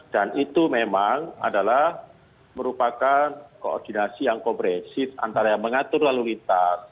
dan itu memang adalah merupakan koordinasi yang kompresif antara yang mengatur lalu lintas